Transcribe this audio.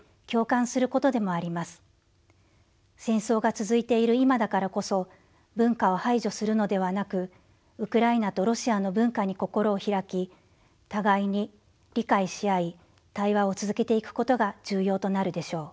戦争が続いている今だからこそ文化を排除するのではなくウクライナとロシアの文化に心を開き互いに理解し合い対話を続けていくことが重要となるでしょう。